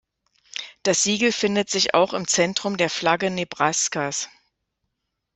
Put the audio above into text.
Das Siegel findet sich auch im Zentrum der Flagge Nebraskas.